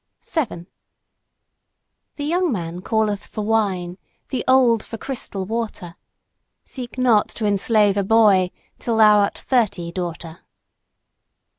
7 The young man calleth for wine, the old for crystal water. Seek not to enslave a boy till thou art thirty, Daughter.